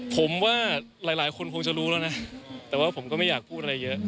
ผมว่าหลายคนคงจะรู้แล้วนะแต่ว่าผมก็ไม่อยากพูดอะไรเยอะ